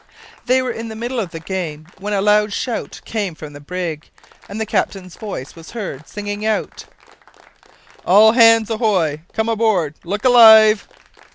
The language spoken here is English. They were in the middle of the game when a loud shout came from the brig, and the captain's voice was heard singing out: "All hands ahoy! come aboard. Look alive!"